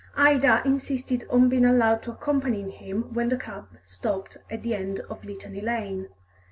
Ida insisted on being allowed to accompanying him when the cab stopped at the end of Litany Lane.